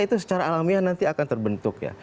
itu secara alamiah nanti akan terbentuk ya